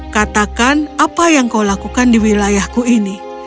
katakan apa yang kau lakukan di wilayahku ini